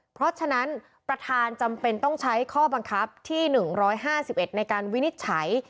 เพราะฉะนั้นประธานจำเป็นต้องใช้ข้อบังคับที่๑๕๑ในการวินิจฉัย